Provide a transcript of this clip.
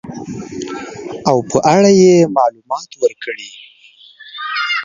او په اړه يې معلومات ورکړي .